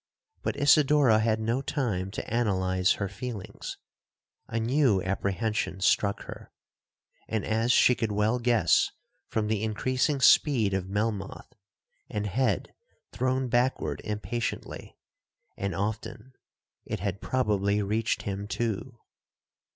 But Isidora had no time to analyse her feelings,—a new apprehension struck her,—and, as she could well guess from the increasing speed of Melmoth, and head thrown backward impatiently, and often, it had probably reached him too.